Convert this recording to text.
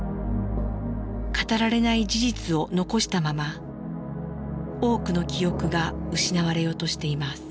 語られない事実を残したまま多くの記憶が失われようとしています。